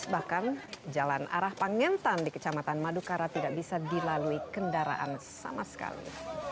bahkan jalan arah pangentan di kecamatan madukara tidak bisa dilalui kendaraan sama sekali